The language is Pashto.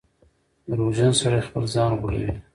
• دروغجن سړی خپل ځان غولوي.